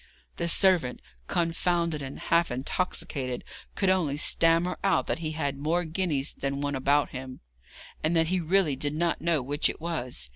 The servant, confounded and half intoxicated, could only stammer out that he had more guineas than one about him, and that he really did not know which it was.